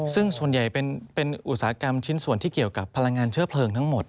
ซึ่งส่วนใหญ่เป็นอุตสาหกรรมชิ้นส่วนที่เกี่ยวกับพลังงานเชื้อเพลิงทั้งหมด